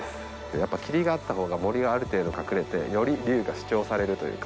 やっぱ霧があったほうが森がある程度隠れてより龍が主張されるというか。